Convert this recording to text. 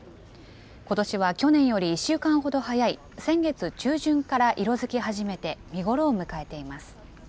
ことしは去年より１週間ほど早い先月中旬から色づき始めて、見頃を迎えています。